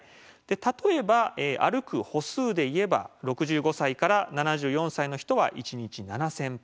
例えば歩く歩数でいえば６５歳から７４歳の人は１日７，０００歩。